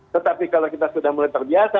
tetapi kalau kita sudah mulai terbiasa